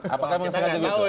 apakah memang sengaja begitu